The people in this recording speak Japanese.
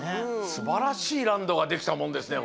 すばらしいランドができたもんですね